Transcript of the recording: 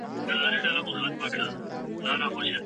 سازمانونه چیري د وینا ازادي تمرینوي؟